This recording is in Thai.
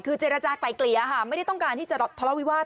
คือเจรจากลายเกลี่ยค่ะไม่ได้ต้องการที่จะทะเลาวิวาส